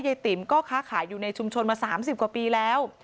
ติ๋มก็ค้าขายอยู่ในชุมชนมา๓๐กว่าปีแล้ว